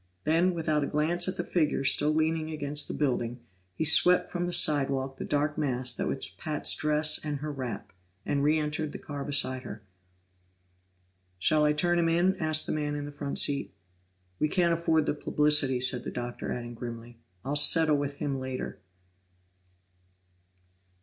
Then, without a glance at the figure still leaning against the building, he swept from the sidewalk the dark mass that was Pat's dress and her wrap, and re entered the car beside her. "Shall I turn him in?" asked the man in the front seat. "We can't afford the publicity," said the Doctor, adding grimly, "I'll settle with him later."